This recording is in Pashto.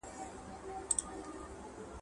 د رستم خان اس د جګړې په وخت کې پرېوت.